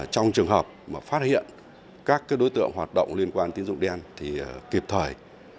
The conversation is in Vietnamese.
trong trường hợp mà phát hiện các đối tượng hoạt động liên quan tín dụng đen thì kịp thời